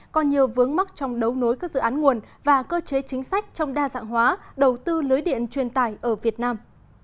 có nhiều vướng mắc trong đấu nối các dự án nguồn và cơ chế chính sách trong đa dạng hóa đầu tư lưới điện truyền tài ở việt nam